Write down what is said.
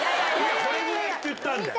これぐらいって言ったんだよ。